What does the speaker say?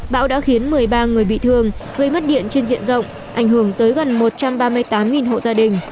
bão đã khiến một mươi ba người bị thương gây mất điện trên diện rộng ảnh hưởng tới gần một trăm ba mươi tám hộ gia đình